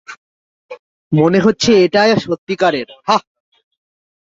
মনে হচ্ছে এটা সত্যিকারের, হাহ?